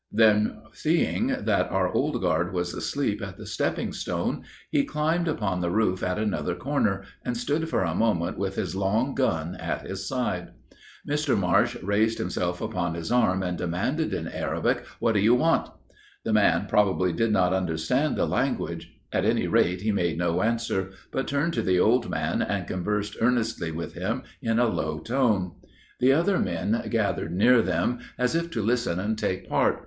Then seeing that our old guard was asleep at the stepping stone, he climbed upon the roof at another corner, and stood for a moment with his long gun at his side. Mr. Marsh raised himself upon his arm, and demanded in Arabic, 'What do you want?' The man probably did not understand the language: at any rate, he made no answer, but turned to the old man, and conversed earnestly with him in a low tone. The other men gathered near them, as if to listen and take part.